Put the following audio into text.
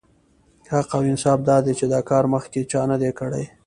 حق او انصاف دا دی چې دا کار مخکې چا نه دی کړی.